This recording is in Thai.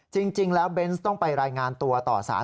จริงแล้วเบนส์ต้องไปรายงานตัวต่อสาร